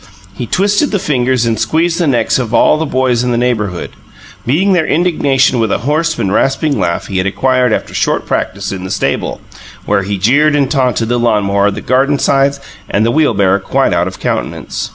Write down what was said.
He twisted the fingers and squeezed the necks of all the boys of the neighbourhood, meeting their indignation with a hoarse and rasping laugh he had acquired after short practice in the stable, where he jeered and taunted the lawn mower, the garden scythe and the wheelbarrow quite out of countenance.